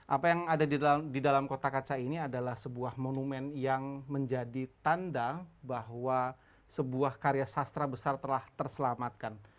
apa yang ada di dalam kotak kaca ini adalah sebuah monumen yang menjadi tanda bahwa sebuah karya sastra besar telah terselamatkan